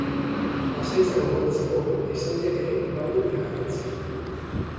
Pasahitza gogoratzeko esaldiak ere badu bere garrantzia.